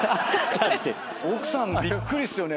奥さんびっくりっすよね。